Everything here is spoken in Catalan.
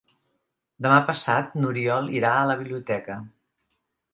Demà passat n'Oriol irà a la biblioteca.